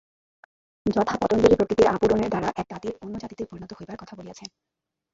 যথা, পতঞ্জলি প্রকৃতির আপূরণের দ্বারা এক জাতির অন্য জাতিতে পরিণত হইবার কথা বলিয়াছেন।